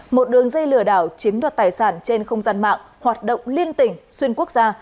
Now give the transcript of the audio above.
một đường dây lừa đảo chiếm đoạt tài sản trên không gian mạng hoạt động liên tỉnh xuyên quốc gia